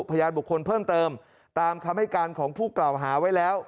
พยานบุคคลเพิ่มเติมตามคำให้การของผู้กล่าวหาไว้แล้ว